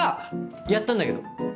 やったんだけど。